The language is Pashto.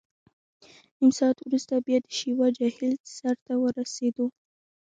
نیم ساعت وروسته بیا د شیوا جهیل سر ته ورسېدو.